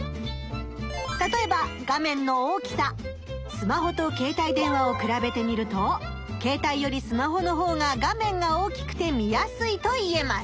スマホと携帯電話を比べてみると携帯よりスマホのほうが画面が大きくて見やすいといえます。